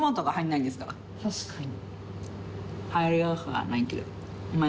確かに。